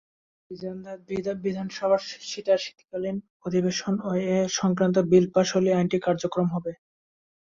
রাজ্য বিধানসভার শীতকালীন অধিবেশনে এ-সংক্রান্ত বিল পাস হলেই আইনটি কার্যকর হবে।